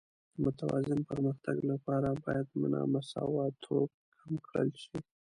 د متوازن پرمختګ لپاره باید نامساواتوب کم کړل شي.